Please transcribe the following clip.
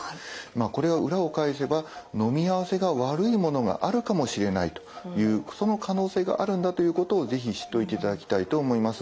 これは裏を返せばのみ合わせが悪いものがあるかもしれないというその可能性があるんだということを是非知っておいていただきたいと思います。